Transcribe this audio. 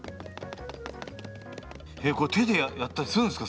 手でやったりするんですか？